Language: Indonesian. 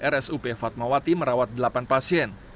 rsup fatmawati merawat delapan pasien